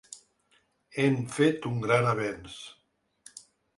Hem fet un gran avenç.